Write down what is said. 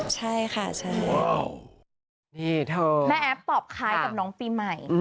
ใช่ค่ะใช่